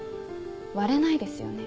割れないですよね？